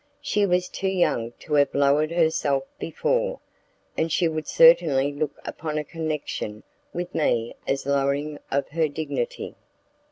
She was too young to have lowered herself before, and she would certainly look upon a connection with me as a lowering of her dignity.